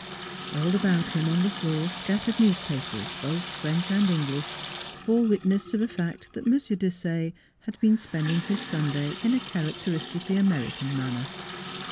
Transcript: All about him on the floor scattered newspapers, both French and English, bore witness to the fact that M. Desaye had been spending his Sunday in a char acteristically American manner.